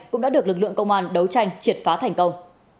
cũng đã được lực lượng công an đấu tranh triệt phá thành công